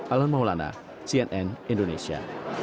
alhamdulillah cnn indonesia